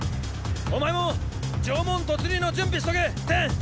お前も城門突入の準備しとけテン！